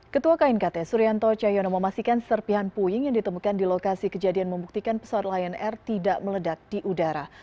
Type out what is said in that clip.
ketua knkt suryanto cahyono memastikan serpihan puing yang ditemukan di lokasi kejadian membuktikan pesawat lion air tidak meledak di udara